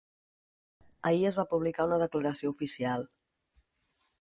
Ahir es va publicar una declaració oficial.